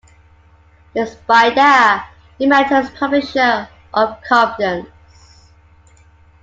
Despite that, he married her as a public show of confidence.